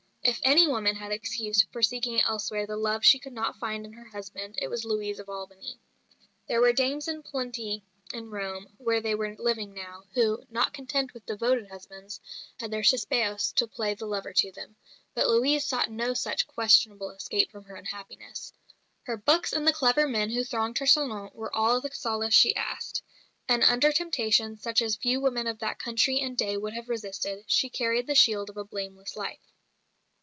If any woman had excuse for seeking elsewhere the love she could not find in her husband it was Louise of Albany. There were dames in plenty in Rome (where they were now living) who, not content with devoted husbands, had their cisibeos to play the lover to them; but Louise sought no such questionable escape from her unhappiness. Her books and the clever men who thronged her salon were all the solace she asked; and under temptation such as few women of that country and day would have resisted, she carried the shield of a blameless life.